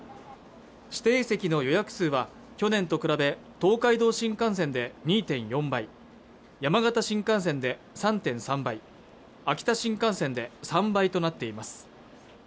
指定席の予約数は去年と比べ東海道新幹線で２．４倍山形新幹線で３．３倍秋田新幹線で３倍となっています